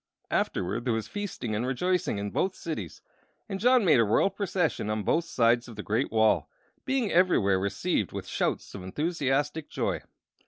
Afterward there was feasting and rejoicing in both cities, and John made a royal procession on both sides of the great wall, being everywhere received with shouts of enthusiastic joy.